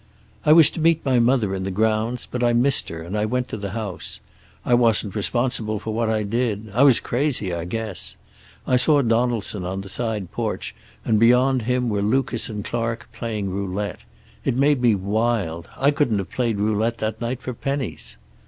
"I was to meet my mother in the grounds, but I missed her, and I went to the house. I wasn't responsible for what I did. I was crazy, I guess. I saw Donaldson on the side porch, and beyond him were Lucas and Clark, playing roulette. It made me wild. I couldn't have played roulette that night for pennies.